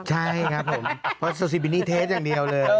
ใช่ครับผมเพราะโซซิบินิเทสอย่างเดียวเลย